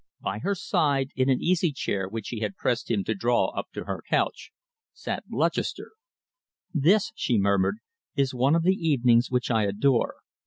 By her side, in an easy chair which she had pressed him to draw up to her couch, sat Lutchester. "This," she murmured, "is one of the evenings which I adore.